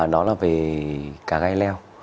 nó là về cà gai leo